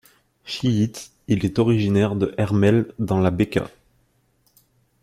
Chiite, il est originaire de Hermel dans la Bekaa.